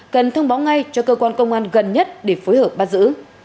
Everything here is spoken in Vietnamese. cần thông báo ngay cho cơ quan công an gần nhất để phối hợp bắt giữ